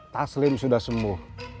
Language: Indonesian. taslim sudah sembuh